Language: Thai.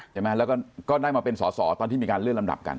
ใช่ไหมแล้วก็ได้มาเป็นสอสอตอนที่มีการเลื่อนลำดับกัน